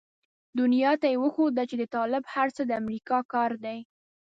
دنيا ته يې وښوده چې د طالب هر څه د امريکا کار دی.